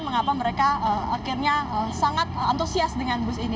mengapa mereka akhirnya sangat antusias dengan bus ini